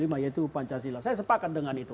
empat puluh lima yaitu pancasila saya sepakat dengan itu